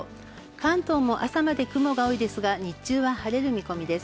関東も朝まで雲が多いですが日中は晴れる見込みです。